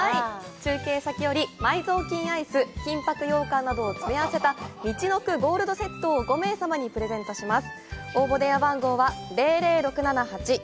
中継先より埋蔵金、金箔羊羹などを詰め合わせた、みちのくＧＯＬＤセットを５名様にプレゼントします。